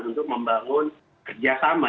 untuk membangun kerjasama